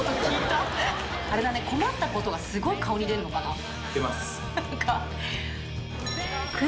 あれだね、困ったことがすごく顔に出るのかな？